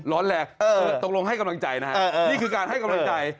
ร้อนแรงตกลงให้กำลังใจนะฮะนี่คือการให้กำลังใจ